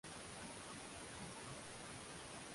mamba na nyoka wakubwa aina ya anakonda